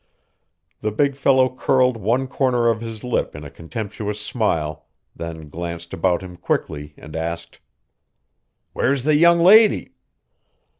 The big fellow curled one corner of his lip in a contemptuous smile, then glanced about him quickly and asked: "Where's the young lady?"